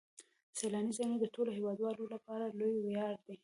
سیلاني ځایونه د ټولو هیوادوالو لپاره لوی ویاړ دی.